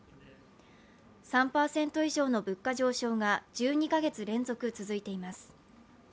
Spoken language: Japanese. ３％以上の物価上昇が１２か月連続続いています。